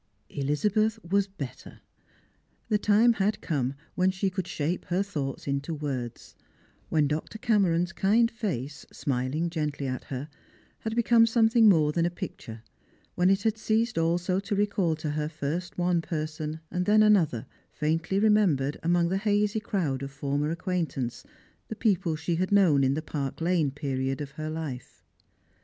Elizabeth was better. The time had come when she conia Bhape her thoughts into words ; when Dr. Cameron's kind face, Bmiling gently at her, had become something more than a pic ture ; when it had ceased also to recall to her first one person, then another, faintly remembered among the hazy crowd of former acquaintance, the people she had known in the Park lane period of her life.